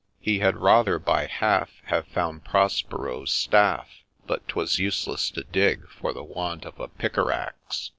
— He had rather, by half, Have found Prospero's ' Staff ;' But 'twas useless to dig, for the want of a pick or axe.